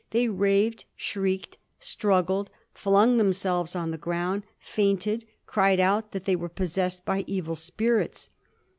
They raved, shrieked, struggled, flung themselves on the ground, fainted, cried out that they were possessed by evil spirits.